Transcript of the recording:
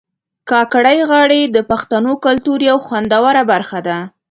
کاکړۍ غاړي د پښتنو کلتور یو خوندوره برخه ده